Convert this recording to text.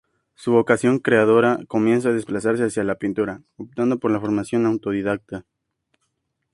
Su vocación creadora comienza a desplazarse hacia la pintura, optando por la formación autodidacta.